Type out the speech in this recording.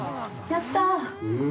◆やったあ。